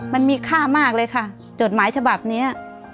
มันมีค่ามากเลยค่ะจดหมายฉบับนี้